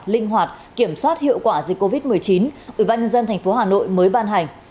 linh hoạt kiểm soát hiệu quả dịch covid một mươi chín ở vãi nhân dân thành phố hà nội mới ban hành